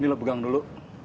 nih lo pegang dulu